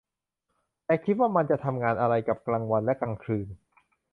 แค่คิดว่ามันจะทำงานอะไรกับกลางวันและกลางคืน !